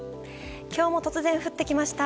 今日も突然、降ってきました。